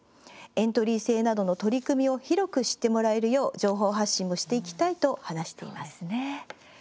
エントリー制などの取り組みを広く知ってもらえるよう情報発信もしていきたいと話しています。